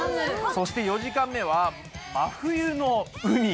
そして４時間目は「真冬の海」。